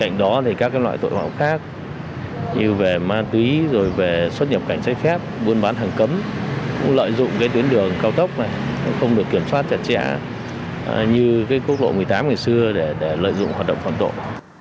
như về ma túy xuất nhập cảnh sách phép buôn bán hàng cấm lợi dụng tuyến đường cao tốc không được kiểm soát chặt chẽ như quốc lộ một mươi tám ngày xưa để lợi dụng hoạt động phản tội